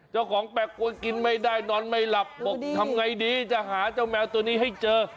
เจ้าของแปรปวนกินไม่ได้นอนไม่หลับบอกทำไงดีจะหาเจ้าแมวตัวนี้ให้เจอ